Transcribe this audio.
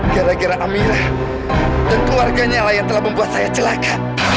gara gara amirah dan keluarganya lah yang telah membuat saya celaka